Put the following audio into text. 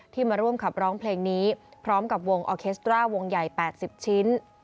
มาร่วมขับร้องเพลงนี้พร้อมกับวงออเคสตราวงใหญ่๘๐ชิ้น